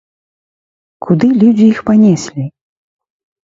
Куды людзі іх панеслі?